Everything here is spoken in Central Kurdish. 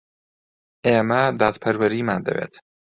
ئێمە دادپەروەریمان دەوێت.